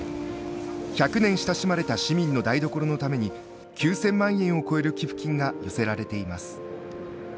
１００年親しまれた市民の台所のために９０００万円を超える寄付金が寄せられています。